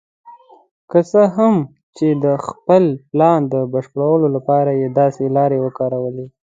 که څه هم چې د خپل پلان د بشپړولو لپاره یې داسې لارې وکارولې.